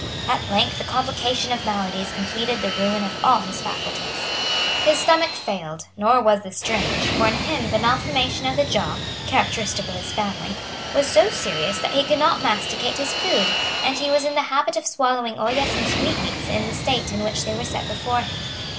At length a complication of maladies completed the ruin of all his faculties. His stomach failed; nor was this strange; for in him the malformation of the jaw, characteristic of his family, was so serious that he could not masticate his food; and he was in the habit of swallowing ollas and sweetmeats in the state in which they were set before him.